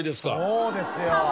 そうですよ。